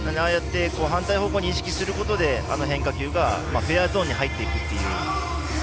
反対方向に意識することで変化球がフェアゾーンに入っていきます。